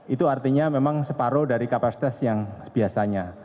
itu artinya memang separuh dari kapasitas yang biasanya